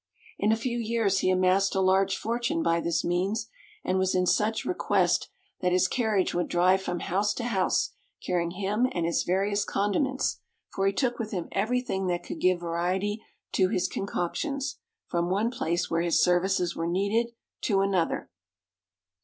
In a few years he amassed a large fortune by this means, and was in such request that his carriage would drive from house to house, carrying him and his various condiments for he took with him everything that could give variety to his concoctions from one place, where his services were needed, to another.